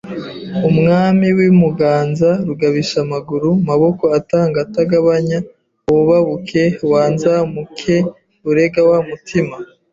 Umwamiw’i Muganza Rugabishamaguru Maboko atanga atagabanya wobabuke wanzabuke urega wa Mutima